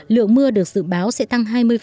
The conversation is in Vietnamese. lượng mưa được dự báo sẽ tăng hai mươi